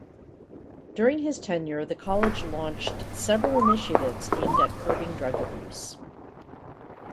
During his tenure the college launched several initiatives aimed at curbing drug abuse.